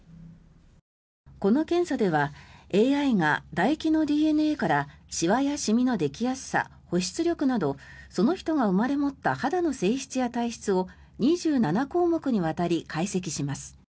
この検査では、ＡＩがだ液のＤＮＡからシワやシミのできやすさ保湿力などその人が生まれ持った肌の性質や体質を２７項目にわたり解析します。